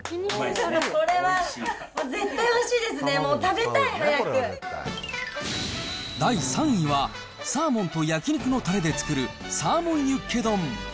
これは絶対おいしいですね、もう食べたい、第３位は、サーモンと焼き肉のたれで作るサーモンユッケ丼。